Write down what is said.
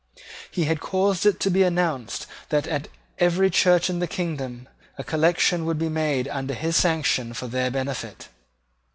He had caused it to be announced that, at every church in the kingdom, a collection would be made under his sanction for their benefit.